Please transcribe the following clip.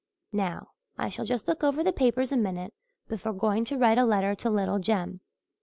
Now I shall just look over the papers a minute before going to write a letter to little Jem.